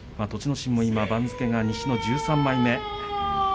心も今、番付が西の１３枚目。